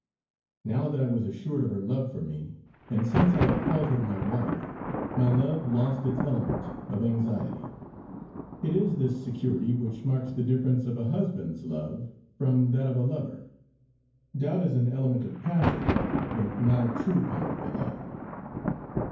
Now that I was assured of her love for me, and since I had called her my wife, my love lost its element of anxiety. It is this security which marks the difference of a husband's love from that of a lover; doubt is an element of passion, but not of true conjugal love.